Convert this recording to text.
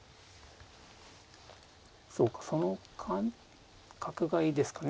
そうかその感覚がいいですかね。